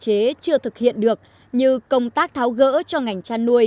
các mặt tồn tại hạn chế chưa thực hiện được như công tác tháo gỡ cho ngành trăn nuôi